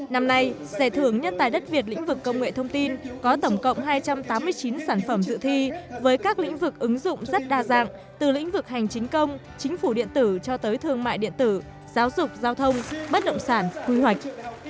năm nay giải thưởng nhân tài đất việt lĩnh vực công nghệ thông tin có tổng cộng hai trăm tám mươi chín sản phẩm dự thi với các lĩnh vực ứng dụng rất đa dạng từ lĩnh vực hành chính công chính phủ điện tử cho tới thương mại điện tử giáo dục giao thông bất động sản quy hoạch